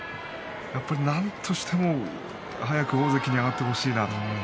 やっぱり何としても早く大関に上がってほしいなと。